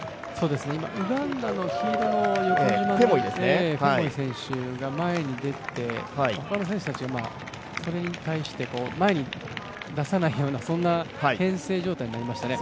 ウガンダの選手が前に出て他の選手たちが、それに対して前に出さないようなけん制状態になりましたね。